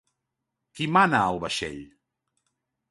Qui mana al vaixell?